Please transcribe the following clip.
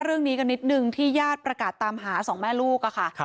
เรื่องนี้กันนิดนึงที่ญาติประกาศตามหาสองแม่ลูกค่ะ